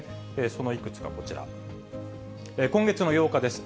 そのいくつか、こちら、今月の８日です。